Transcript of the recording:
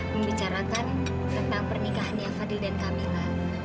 membicarakan tentang pernikahannya fadil dan camilla